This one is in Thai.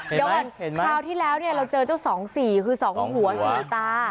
เออเดี๋ยวคราวที่แล้วเราเจอเจ้า๒สีคือ๒หัว๔ตา